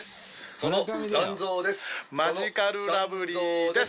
その残像です。